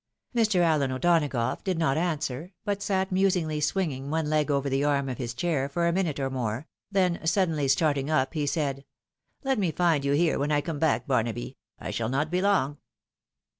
Mr. Allen O'Donagough did not answer, but eat musingly swinging one leg over the arm of his chair for a minute or more, then suddenly starting up, he said, " Let me find you here when I come back, Barnaby ; I shall not be long."